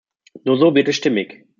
Nur so wird es stimmig.